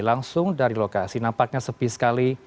langsung dari lokasi nampaknya sepi sekali